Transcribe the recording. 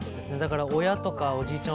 親とかおじいちゃん